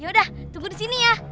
ya udah tunggu di sini ya